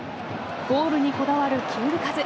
ゴールにこだわるキング・カズ。